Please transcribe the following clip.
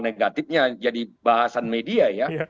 negatifnya jadi bahasan media